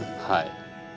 はい。